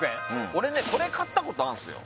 俺ねこれ買ったことあんすよ